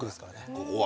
ここは？